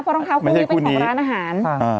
เพราะรองเท้าคู่นี้เป็นของร้านอาหาร